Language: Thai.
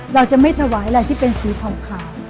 เราจะไม่ถวายอะไรที่เป็นสีขาว